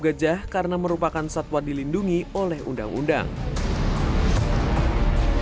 gejah karena merupakan satwa dilindungi oleh undang undang warga tangkap ular piton sepanjang